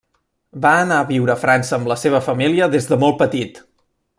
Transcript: Va anar a viure a França amb la seva família des de molt petit.